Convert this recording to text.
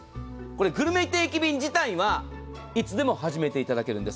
グルメ定期便自体はいつでも始めていただけるんです。